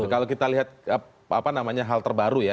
kalau kita lihat apa namanya hal terbaru ya